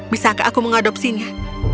bisakah aku mengadopsinya